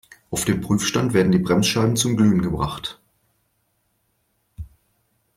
Auf dem Prüfstand werden die Bremsscheiben zum Glühen gebracht.